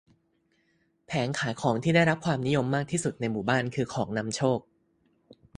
แผงขายของที่ได้รับความนิยมมากที่สุดในหมู่บ้านคือของนำโชค